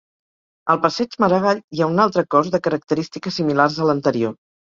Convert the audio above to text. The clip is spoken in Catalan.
Al passeig Maragall hi ha un altre cos de característiques similars a l'anterior.